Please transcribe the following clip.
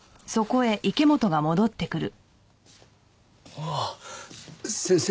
ああ先生